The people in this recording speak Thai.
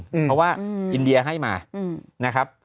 เพราะว่าอินเดียให้มานะครับ